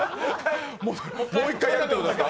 もう一回やるってことですか？